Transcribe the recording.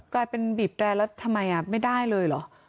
กลายเป็นบีบแรร์แล้วทำไมไม่ได้เลยเหรอ